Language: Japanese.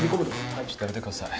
ちょっとやめてください。